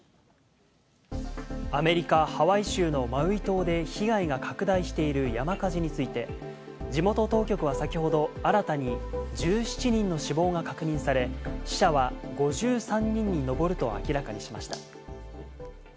アメリカ・ハワイ州のマウイ島で被害が拡大している山火事について、地元当局は先ほど新たに１７人の死亡が確認され、死者は５３人に上ると明らかにしました。